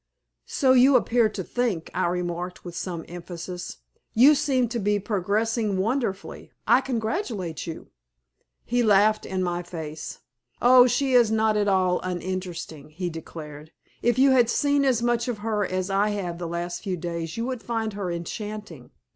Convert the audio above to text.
"So you appear to think," I remarked, with some emphasis. "You seem to be progressing wonderfully. I congratulate you." He laughed in my face. "Oh, she is not at all uninteresting," he declared. "If you had seen as much of her as I have the last few days you would find her enchanting."